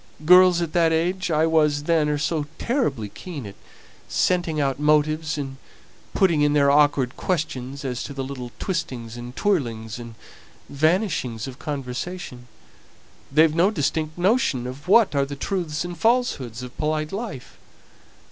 Girls at the age I was then are so terribly keen at scenting out motives, and putting in their disagreeable questions as to the little twistings and twirlings and vanishings of conversation; they've no distinct notion of what are the truths and falsehoods of polite life.